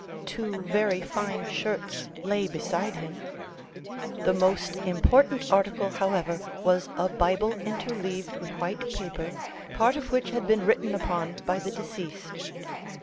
Two very fine shirts lay beside him. The most important article, however, was a Bible interleaved with white paper, part of which had been written upon by the deceased.